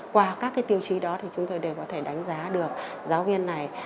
qua các tiêu chí đó thì chúng tôi đều có thể đánh giá được giáo viên này